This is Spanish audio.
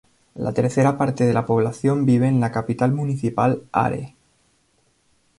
La tercera parte de la población vive en la capital municipal Are.